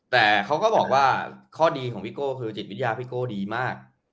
แต่เขาก็บอกว่าข้อดีของพี่โก้คือจิตวิทยาพี่โก้ดีมาก